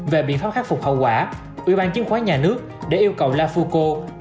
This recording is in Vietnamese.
về biện pháp khắc phục hậu quả ủy ban chứng khoán nhà nước để yêu cầu la foucault